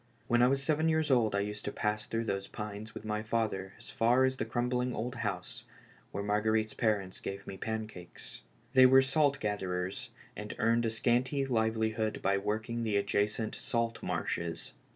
When I was seven years old I used to pass through those pines with my father as far as a crumbling old house, where Marguerite's parents gave me pancakes. Tliey were salt gatherers, and earned a scanty livelihood by working the adjacent salt marshes.